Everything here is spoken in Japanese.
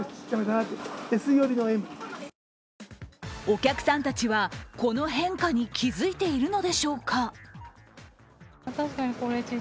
お客さんたちは、この変化に気づいているのでしょうか。